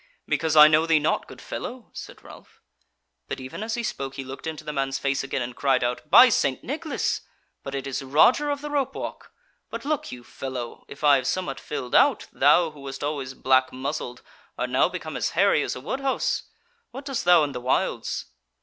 "Because I know thee not, good fellow," said Ralph. But even as he spoke, he looked into the man's face again, and cried out: "By St. Nicholas! but it is Roger of the Ropewalk. But look you, fellow, if I have somewhat filled out, thou, who wast always black muzzled, art now become as hairy as a wodehouse. What dost thou in the wilds?"